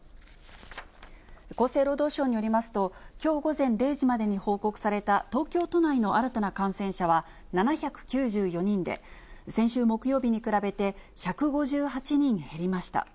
厚生労働省によりますと、きょう午前０時までに報告された東京都内の新たな感染者は７９４人で、先週木曜日に比べて１５８人減りました。